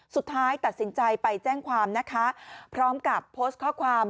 สุดท้ายตัดสินใจไปแจ้งความนะคะพร้อมกับโพสต์ข้อความ